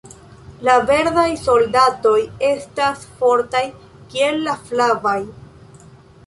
La verdaj soldatoj estas fortaj kiel la flavaj.